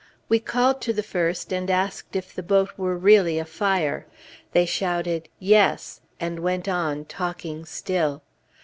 We called to the first, and asked if the boat were really afire; they shouted, "Yes," and went on, talking still.